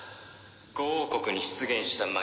「５王国に出現した繭」